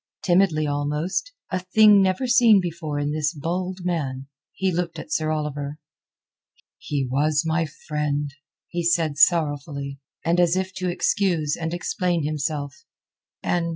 Timidly almost—a thing never seen before in this bold man—he looked at Sir Oliver. "He was my friend," he said sorrowfully, and as if to excuse and explain himself, "and...